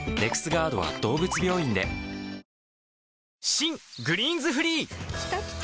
新「グリーンズフリー」きたきた！